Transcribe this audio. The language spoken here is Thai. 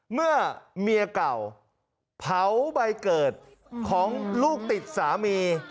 เมื่อเมียเก่าเผาใบเกิดของลูกติดสามี